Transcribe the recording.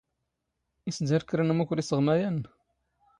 ⵉⵙ ⴷⴰⵔⴽ ⴽⵔⴰ ⵏ ⵓⵎⵓⴽⵔⵉⵙ ⴳ ⵎⴰⵢⴰⵏⵏ.